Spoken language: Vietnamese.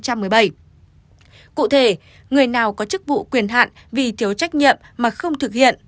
cụ thể người nào có chức vụ quyền hạn vì thiếu trách nhiệm mà không thực hiện